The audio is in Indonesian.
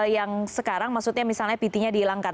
yang sekarang maksudnya misalnya pt nya dihilangkan